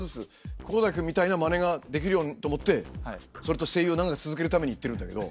航大君みたいなマネができるようにと思ってそれと声優を長く続けるために行ってるんだけど。